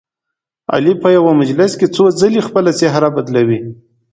علي په یوه مجلس کې څو ځلې خپله څهره بدلوي.